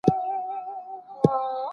زې منمه ته صاحب د کُل اختیار یې